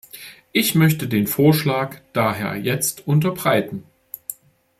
Ich möchte den Vorschlag daher jetzt unterbreiten.